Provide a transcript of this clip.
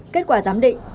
kết quả giám định